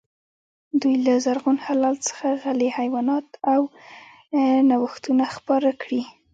دوی له زرغون هلال څخه غلې، حیوانات او نوښتونه خپاره کړي.